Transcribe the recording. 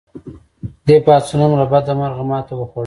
دې پاڅون هم له بده مرغه ماته وخوړه.